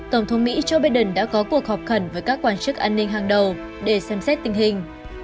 tổng thống mỹ joe biden đã có cuộc họp khẩn với các quan chức an ninh hàng đầu để xem xét tình hình